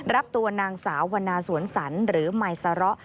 รับตัวนางสาววันนาสวนสันหรือมายซาระ